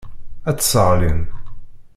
Ad tt-sseɣlin.